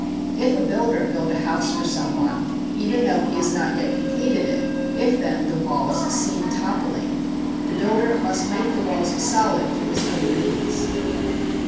If a builder build a house for some one, even though he has not yet completed it; if then the walls seem toppling, the builder must make the walls solid from his own means.